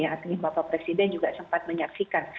artinya bapak presiden juga sempat menyaksikan